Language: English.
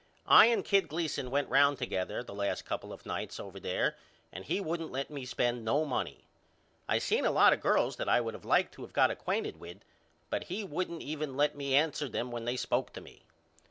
I and Kid Gleason went round together the last couple of nights over there and he wouldn't let me spend no money. I seen a lot of girls that I would of liked to of got acquainted with but he wouldn't even let me answer them when they spoke to me.